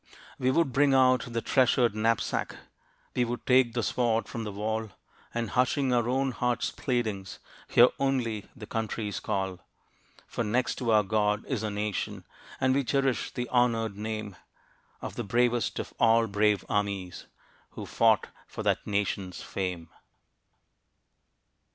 We would bring out the treasured knapsack, We would take the sword from the wall, And hushing our own hearts' pleadings, Hear only the country's call. For next to our God, is our Nation; And we cherish the honored name, Of the bravest of all brave armies Who fought for that Nation's fame.